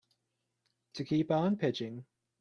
To keep on pitching.